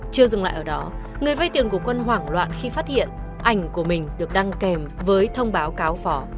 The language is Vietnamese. chưa dừng lại ở đó người vay tiền của quân hoảng loạn khi phát hiện ảnh của mình được đăng kèm với thông báo cáo phở